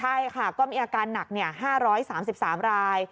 ใช่ค่ะก็มีอาการหนัก๕๓๓ราย